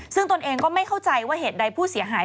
ซึ่งตนเองก็ไม่เข้าใจว่าเหตุใดผู้เสียหาย